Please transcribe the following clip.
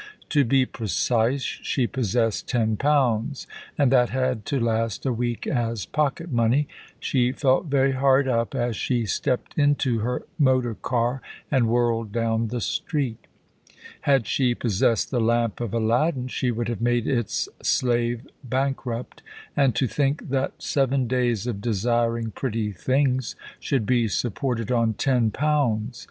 To be precise, she possessed ten pounds, and that had to last a week as pocket money. She felt very hard up as she stepped into her motor car and whirled down the street. Had she possessed the lamp of Aladdin she would have made its slave bankrupt; and to think that seven days of desiring pretty things should be supported on ten pounds!